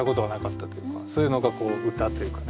そういうのが歌というかね